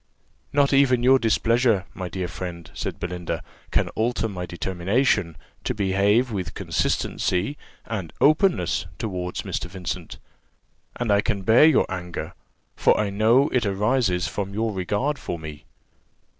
"Not even your displeasure, my dear friend," said Belinda, "can alter my determination to behave with consistency and openness towards Mr. Vincent; and I can bear your anger, for I know it arises from your regard for me."